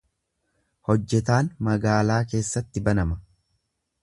Hojjetaan magaalaa keessatti banama.